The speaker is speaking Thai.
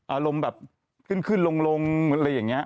อารมณ์ขึ้นลงอะไรอย่างนี้